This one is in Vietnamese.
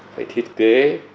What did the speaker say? phải thiết kế